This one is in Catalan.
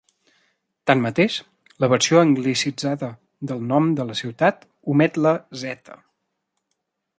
Tanmateix, la versió anglicitzada del nom de la ciutat omet la "z".